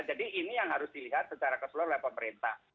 jadi ini yang harus dilihat secara keseluruhan oleh pemerintah